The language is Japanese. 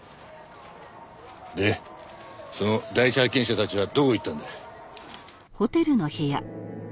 でその第一発見者たちはどこ行ったんだ？